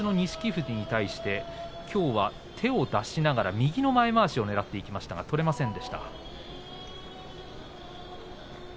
富士に対して剣翔はきょうは手を出しながら右の前まわしを狙っていきましたが取れませんでした。